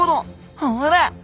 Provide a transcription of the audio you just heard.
ほら！